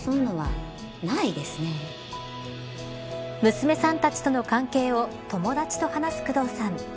娘さんたちとの関係を友達と話す工藤さん。